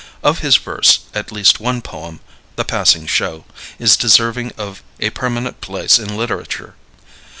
Of his verse, at least one poem, "The Passing Show," is deserving of a permanent place in literature.